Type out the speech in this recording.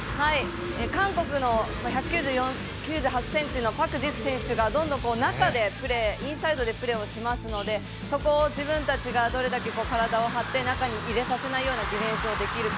韓国の１９８ｃｍのパク・ジス選手がどんどん、中でプレーインサイドでプレーしますのでそこを自分たちがどれだけ体を張って中に入れさせないようなディフェンスができるか。